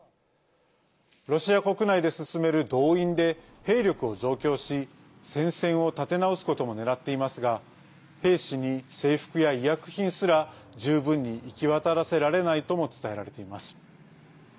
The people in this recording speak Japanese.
ロシア国内で進める動員で兵力を増強し戦線を立て直すことも狙っていますが兵士に、制服や医薬品すら十分に行き渡らせられないとも伝えられています。